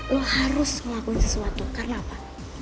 lo harus ngelakuin sesuatu karena apa